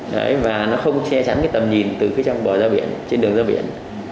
đấy và nó không che chắn cái tầm nhìn từ phía trong bờ ra biển trên đường ra biển